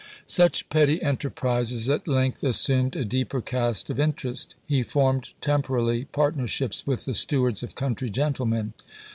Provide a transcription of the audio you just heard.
Such petty enterprises at length assumed a deeper cast of interest. He formed temporally partnerships with the stewards of country gentlemen.